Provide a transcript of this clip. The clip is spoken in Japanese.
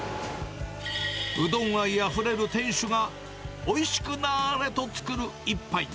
うどん愛あふれる店主が、おいしくなーれと作る一杯。